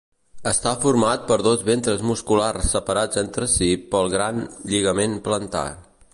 Està format per dos ventres musculars separats entre si pel gran lligament plantar.